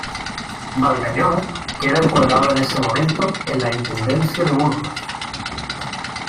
Valgañón queda encuadrado en ese momento en la Intendencia de Burgos.